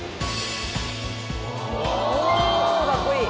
おぉかっこいい！